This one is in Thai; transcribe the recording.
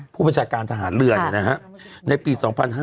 ผู้แบบท้าหารเรือนในปี๒๕๕๖